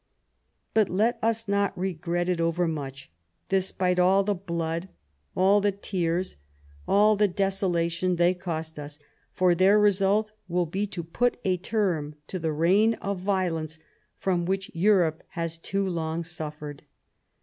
But let us not regret it over much, despite all the blood, all the tears, all the desolation they cost us ; for their result will be to put a term to the reign of violence from which Europe has too long suffered.